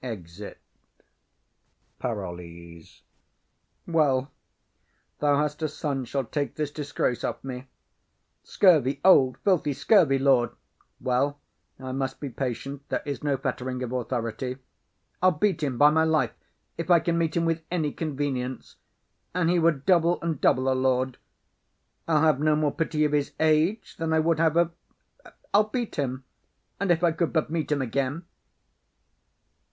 [Exit.] PAROLLES. Well, thou hast a son shall take this disgrace off me; scurvy, old, filthy, scurvy lord! Well, I must be patient; there is no fettering of authority. I'll beat him, by my life, if I can meet him with any convenience, an he were double and double a lord. I'll have no more pity of his age than I would have of—I'll beat him, and if I could but meet him again.